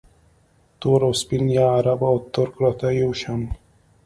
تور او سپین یا عرب او ترک راته یو شان وو